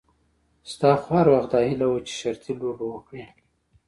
ستا خو هر وخت داهیله وه چې شرطي لوبه وکړې.